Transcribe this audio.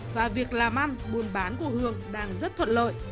và việc làm ăn buôn bán của hương đang rất thuận lợi